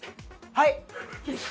はい！